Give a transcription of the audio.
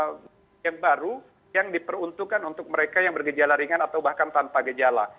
jadi ini adalah perawatan yang baru yang diperuntukkan untuk mereka yang bergejala ringan atau bahkan tanpa gejala